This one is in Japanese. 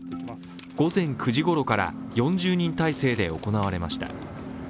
午前９時ごろから４０人態勢で行われました。